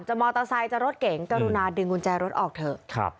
มอเตอร์ไซค์จะรถเก๋งกรุณาดึงกุญแจรถออกเถอะ